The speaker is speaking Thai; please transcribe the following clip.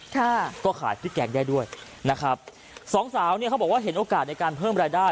ค่ะก็ขายพริกแกงได้ด้วยนะครับสองสาวเนี่ยเขาบอกว่าเห็นโอกาสในการเพิ่มรายได้